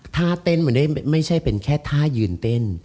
ท่าเต้นมันไม่ใช่เป็นแค่ท่ายืนเต้น